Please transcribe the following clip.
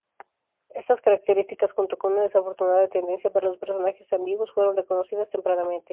Estas características, junto con una desafortunada tendencia para los personajes ambiguos, fueron reconocidas tempranamente.